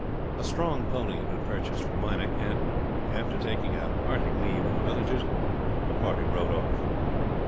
A strong pony had been purchased for Meinik and, after taking a hearty leave of the villagers, the party rode off.